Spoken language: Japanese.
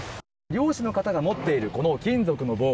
漁師の方が持っているこの金属の棒。